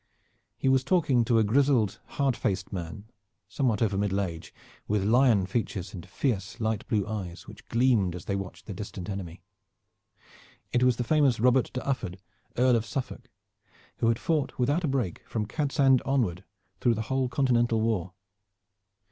He was talking to a grizzled harsh faced man, somewhat over middle age, with lion features and fierce light blue eyes which gleamed as they watched the distant enemy. It was the famous Robert de Ufford, Earl of Suffolk, who had fought without a break from Cadsand onward through the whole Continental War.